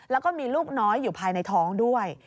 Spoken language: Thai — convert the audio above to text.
แล้วก็มีลูกน้อยอยู่ภายในท้องด้วย